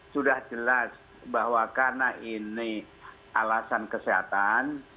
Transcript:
sudah jelas bahwa karena ini alasan kesehatan